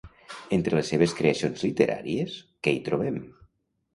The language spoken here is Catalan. Entre les seves creacions literàries, què hi trobem?